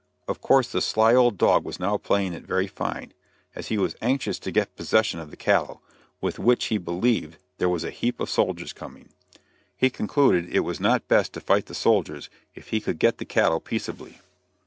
Of course, the sly old dog was now playing it very fine, as he was anxious to get possession of the cattle, with which he believed "there was a heap of soldiers coming." He had concluded it was not best to fight the soldiers if he could get the cattle peaceably.